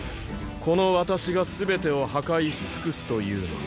この私が全てを破壊し尽くすというのに。